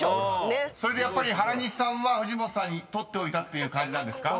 ［それでやっぱり原西さんは藤本さんに取っておいたっていう感じなんですか？］